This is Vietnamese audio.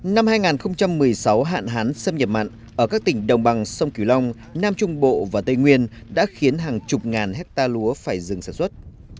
năm hai nghìn một mươi sáu hạn hán xâm nhập mặn ở các tỉnh đồng bằng sông kiều long nam trung bộ và tây nguyên đã khiến hàng chục ngàn hecta lúa phải dừng sản xuất